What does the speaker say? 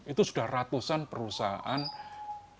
itu sudah ratusan perusahaan berdiri di surabaya ini